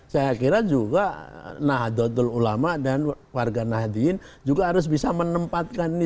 saya kira juga nahdlatul ulama dan warga nahdien juga harus bisa menempatkan ini